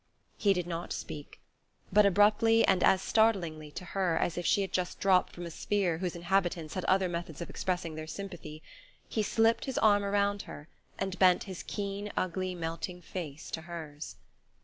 He did not speak; but abruptly, and as startlingly to her as if she had just dropped from a sphere whose inhabitants had other methods of expressing their sympathy, he slipped his arm around her and bent his keen ugly melting face to hers....